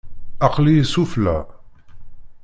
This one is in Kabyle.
Aql-iyi sufella.